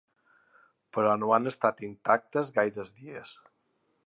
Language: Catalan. Però no han restat intactes gaires dies.